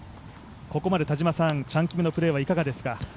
ここまで田島さん、チャン・キムのプレーはいかがですか。